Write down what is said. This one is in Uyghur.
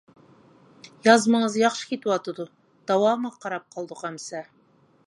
يازمىڭىز ياخشى كېتىۋاتىدۇ، داۋامىغا قاراپ قالدۇق ئەمسە.